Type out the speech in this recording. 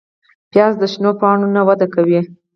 پیاز د شنو پاڼو نه وده کوي